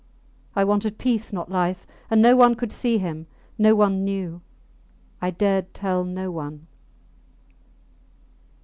I wanted peace, not life. And no one could see him; no one knew I dared tell no one.